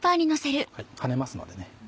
跳ねますのでね。